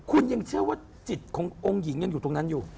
คุณยังเชื่อว่าจิตขององค์หญิงยังอยู่ตรงนั้นอยู่